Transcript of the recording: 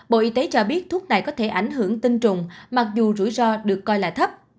bộ y tế cho biết thuốc này có thể ảnh hưởng tinh trùng mặc dù rủi ro được coi là thấp